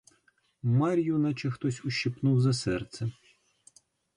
Мар'ю наче хто ущипнув за серце!